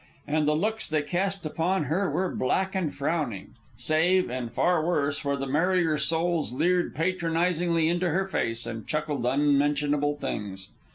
And the looks they cast upon her were black and frowning, save and far worse where the merrier souls leered patronizingly into her face and chuckled unmentionable things.